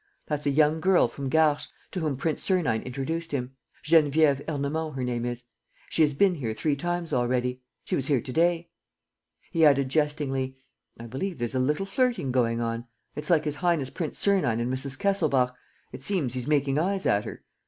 That's a young girl from Garches, to whom Prince Sernine introduced him. Geneviève Ernemont her name is. She has been here three times already ... she was here to day." He added, jestingly, "I believe there's a little flirting going on. ... It's like his highness Prince Sernine and Mrs. Kesselbach. ... It seems he's making eyes at her!